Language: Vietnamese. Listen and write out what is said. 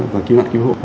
và kế hoạch cứu hộ